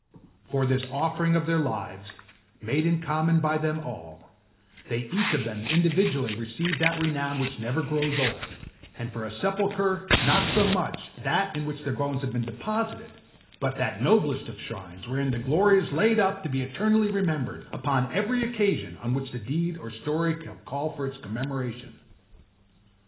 For this offering of their lives made in common by them all they each of them individually received that renown which never grows old, and for a sepulchre, not so much that in which their bones have been deposited, but that noblest of shrines wherein their glory is laid up to be eternally remembered upon every occasion on which deed or story shall call for its commemoration.